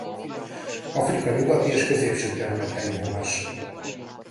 Afrika nyugati és középső területein honos.